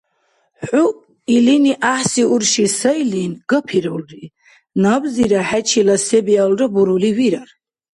ХӀу илини гӀяхӀси урши сайлин гапирулри, набзира хӀечила се-биалра бурули вирар.